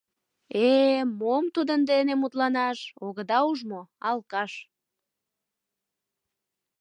Э-э, мом тудын дене мутланаш, огыда уж мо — алкаш.